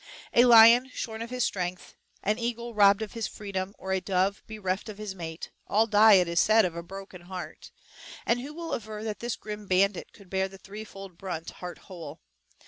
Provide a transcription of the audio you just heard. A lion shorn of his strength, an eagle robbed of his freedom, or a dove bereft of his mate, all die, it is said, of a broken heart; and who will aver that this grim bandit could bear the three fold brunt, heart whole?